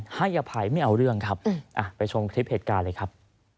ให้อภัยไม่เอาเรื่องครับไปชมคลิปเหตุการณ์เลยครับ